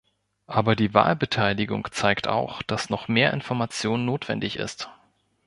Aber die Wahlbeteiligung zeigt auch, dass noch mehr Information notwendig ist.